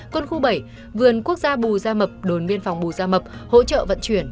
quân khu bảy vườn quốc gia bù gia mập đồn biên phòng bù gia mập hỗ trợ vận chuyển